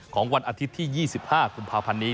วันอาทิตย์ที่๒๕กุมภาพันธ์นี้